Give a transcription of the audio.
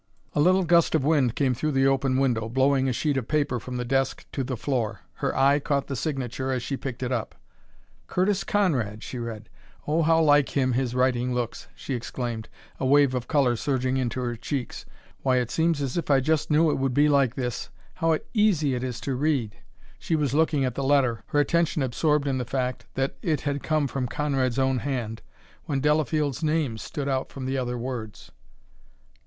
A little gust of wind came through the open window, blowing a sheet of paper from the desk to the floor. Her eye caught the signature as she picked it up. "Curtis Conrad!" she read. "Oh, how like him his writing looks!" she exclaimed, a wave of color surging into her cheeks. "Why, it seems as if I just knew it would be like this! How easy it is to read!" She was looking at the letter, her attention absorbed in the fact that it had come from Conrad's own hand, when Delafield's name stood out from the other words.